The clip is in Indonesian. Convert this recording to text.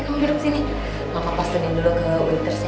ayo kamu duduk disini mama pasirin dulu ke winters ya